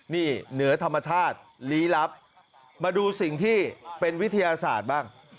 นี่เหนือธรรมชาติลี้ลับมาดูสิ่งที่เป็นวิทยาศาสตร์บ้าง